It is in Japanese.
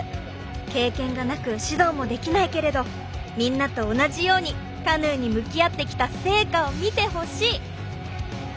経験がなく指導もできないけれどみんなと同じようにカヌーに向き合ってきた成果を見てほしい！